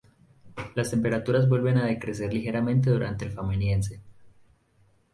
Las temperaturas vuelven a decrecer ligeramente durante el Fameniense.